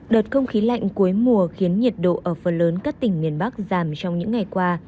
đợt không khí lạnh cuối mùa khiến nhiệt độ ở phần lớn các tỉnh miền bắc giảm trong những ngày qua